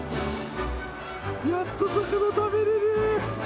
やっと魚食べれる。